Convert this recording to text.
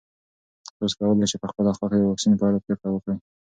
تاسو کولی شئ په خپله خوښه د واکسین په اړه پرېکړه وکړئ.